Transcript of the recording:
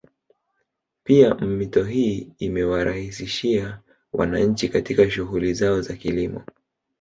Pia mito hii imewaraisishia wananchi katika shughuli zao za kilimo